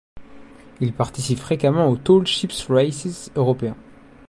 Il participe fréquemment aux Tall Ships' Races européens.